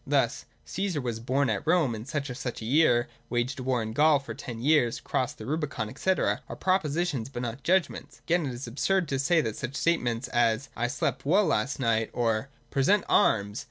Thus, ' Caesar was born at Rome in such and such a year, waged war in Gaul for ten years, crossed the Rubicon, &c.,' are propositions, but not judgments. Again it is absurd to say that such statements as, ' I slept well last night,' or ' Present arms